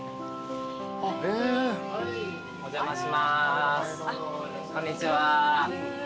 お邪魔しますこんにちは。